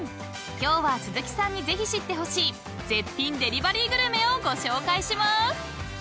今日は鈴木さんにぜひ知ってほしい絶品デリバリーグルメをご紹介します］